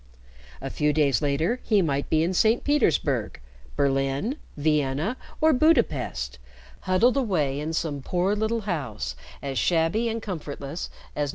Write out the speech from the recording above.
A few days later, he might be in St. Petersburg, Berlin, Vienna, or Budapest, huddled away in some poor little house as shabby and comfortless as No.